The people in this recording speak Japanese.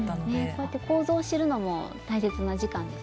こうやって構造を知るのも大切な時間ですよね。